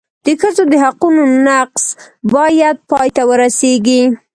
د ښځو د حقونو نقض باید پای ته ورسېږي.